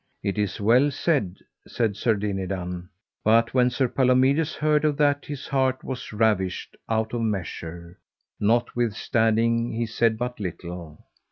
It is well said, said Sir Dinadan, but when Sir Palomides heard of that his heart was ravished out of measure: notwithstanding he said but little.